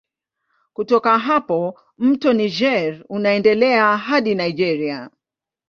Kutoka hapa mto Niger unaendelea hadi Nigeria.